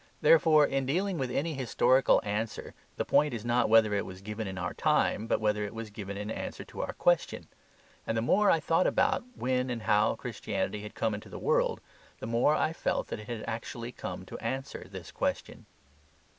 Therefore in dealing with any historical answer, the point is not whether it was given in our time, but whether it was given in answer to our question. And the more I thought about when and how Christianity had come into the world, the more I felt that it had actually come to answer this question.